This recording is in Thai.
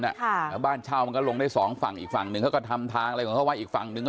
แล้วบ้านเช่ามันก็ลงได้สองฝั่งอีกฝั่งหนึ่งเขาก็ทำทางอะไรของเขาไว้อีกฝั่งนึง